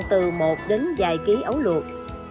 từ một đến vài ký ấu luộc